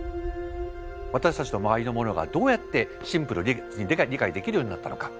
私たちの周りのものがどうやってシンプルで理解できるようになったのか。